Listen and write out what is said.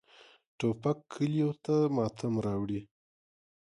توپک کلیو ته ماتم راوړي.